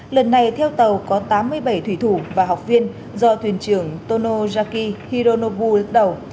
lần này theo tàu có tám mươi bảy thủy thủ và học viên do thuyền trưởng tonojaki hironobu đứng đầu